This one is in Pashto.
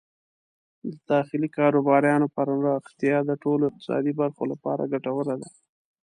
د داخلي کاروبارونو پراختیا د ټولو اقتصادي برخو لپاره ګټوره ده.